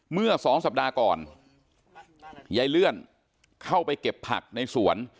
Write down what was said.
เมื่อสองสัปดาห์ก่อนยายเลื่อนเข้าไปเก็บผักในสวน